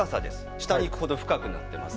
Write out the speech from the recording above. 下に行くほど深くなってます。